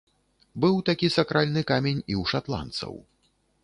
Быў такі сакральны камень і ў шатландцаў.